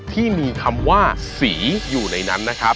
ที่มีคำว่าสีอยู่ในนั้นนะครับ